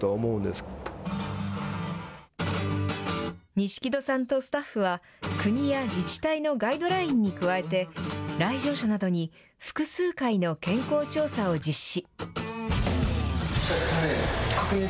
錦戸さんとスタッフは、国や自治体のガイドラインに加えて、来場者などに複数回の健康調査を実施。